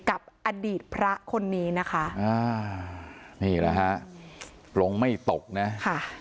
กับอดีตพระคนนี้นะคะอ่านี่แหละฮะปลงไม่ตกนะค่ะ